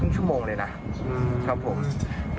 สำหรับหุ่นผู้ปกติ